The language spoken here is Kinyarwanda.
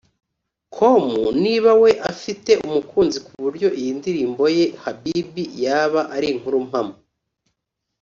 com niba we afite umukunzi ku buryo iyi ndirimbo ye 'Habibi' yaba ari inkuru mpamo